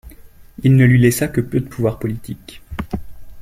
Il ne lui laissa que peu de pouvoir politique.